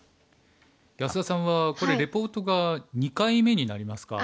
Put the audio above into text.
安田さんはこれリポートが２回目になりますが。